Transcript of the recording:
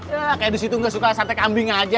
ya kayak disitu gak suka sate kambing aja